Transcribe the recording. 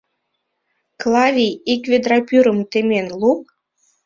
Клавий, ик ведра пӱрым темен лук!..